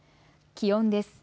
気温です。